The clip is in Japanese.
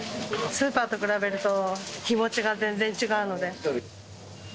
スーパーと比べると、日持ちが全然違うので。